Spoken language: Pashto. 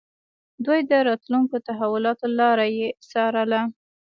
دوی د راتلونکو تحولاتو لاره يې څارله.